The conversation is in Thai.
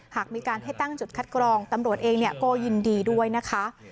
หากมีการให้ตั้งจุดคัดกรองตำรวจเองก็ยินดีด้วยนะคะ